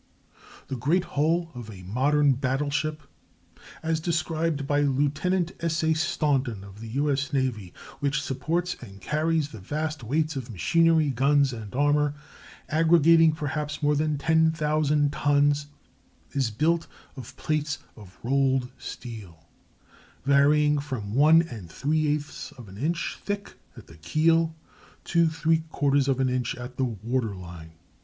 The great hull of a modern battle ship, as described by Lieutenant S. A. Staunton, U. S. N., which supports and carries the vast weights of machinery, guns, and armor, aggregating perhaps more than ten thousand tons, is built of plates of rolled steel, varying from 1⅜ inches thick at the keel to ¾ inch at the water line.